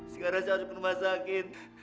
sekarang saya harus ke rumah sakit